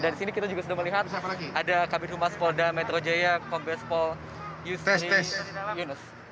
dan di sini kita juga sudah melihat ada kabin rumah spolda metro jaya pobespol yusni yunus